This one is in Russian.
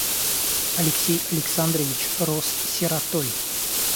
Алексей Александрович рос сиротой.